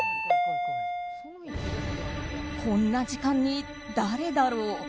こんな時間に誰だろう。